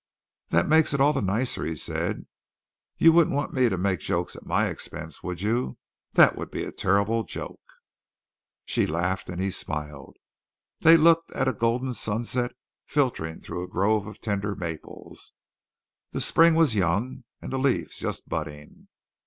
"That makes it all the nicer," he said. "You wouldn't want me to make jokes at my expense, would you? That would be a terrible joke." She laughed and he smiled. They looked at a golden sunset filtering through a grove of tender maples. The spring was young and the leaves just budding.